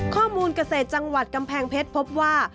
เกษตรจังหวัดกำแพงเพชรพบว่า